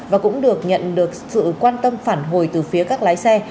và cũng được nhận được sự quan tâm phản hồi từ phía các lái xe